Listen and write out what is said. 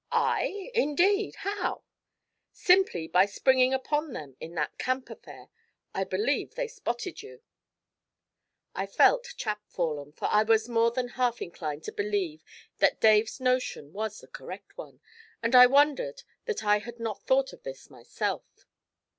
'I, indeed how?' 'Simply by springing upon them in that Camp affair. I believe they spotted you.' I felt chapfallen, for I was more than half inclined to believe that Dave's notion was the correct one, and I wondered that I had not thought of this myself.